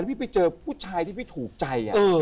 แล้วพี่เจอผู้ชายที่พี่ถูกใจ